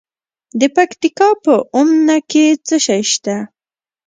د پکتیکا په اومنه کې څه شی شته؟